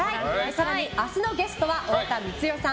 更に、明日のゲストは太田光代さん